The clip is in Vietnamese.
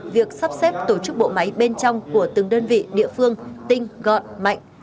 việc sắp xếp tổ chức bộ máy bên trong của từng đơn vị địa phương tinh gọn mạnh